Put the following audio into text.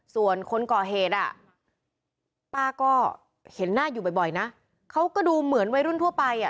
ส่วนคนก่อเหตุอ่ะป้าก็เห็นหน้าอยู่บ่อยนะเขาก็ดูเหมือนวัยรุ่นทั่วไปอ่ะ